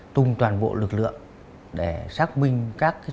tùng toàn bộ lực lượng để xác minh các chủ đò